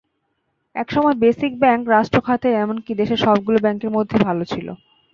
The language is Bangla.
একসময় বেসিক ব্যাংক রাষ্ট্র খাতের এমনকি দেশের সবগুলো ব্যাংকের মধ্যে ভালো ছিল।